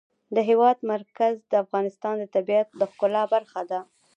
د هېواد مرکز د افغانستان د طبیعت د ښکلا برخه ده.